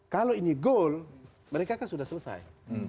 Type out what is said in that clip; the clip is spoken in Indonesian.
kalau ini goal mereka kan sudah selesai